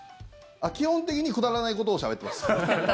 基本的にくだらないことをしゃべってます。